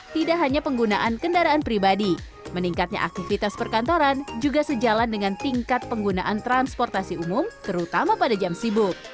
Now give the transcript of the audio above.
tidak hanya penggunaan kendaraan pribadi meningkatnya aktivitas perkantoran juga sejalan dengan tingkat penggunaan transportasi umum terutama pada jam sibuk